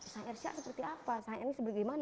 syair syak seperti apa syair ini seperti bagaimana